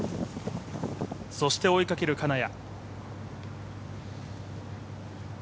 そして追いかける金谷。